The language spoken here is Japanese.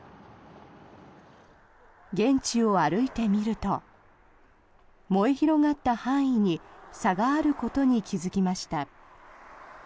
現地を歩いてみると燃え広がった範囲に差があることに気付きました。